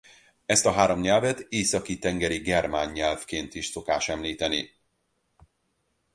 Ezt a három nyelvet északi-tengeri germán nyelvekként is szokás említeni.